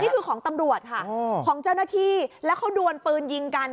ของตำรวจค่ะของเจ้าหน้าที่แล้วเขาดวนปืนยิงกัน